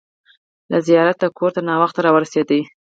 له زیارته کور ته ناوخته راورسېدو.